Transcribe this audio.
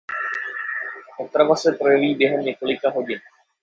Otrava se projeví během několika hodin.